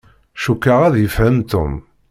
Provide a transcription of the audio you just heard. Cukkeɣ ad yefhem Tom.